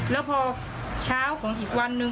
แล้วพอเช้าของอีกวันนึง